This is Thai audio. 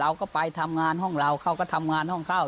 เราก็ไปทำงานห้องเราเขาก็ทำงานห้องเข้า